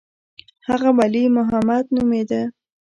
هغه ولي محمد نومېده.